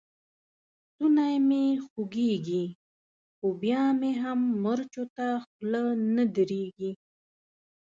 ستونی مې خوږېږي؛ خو بيا مې هم مرچو ته خوله نه درېږي.